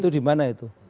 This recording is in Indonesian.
itu dimana itu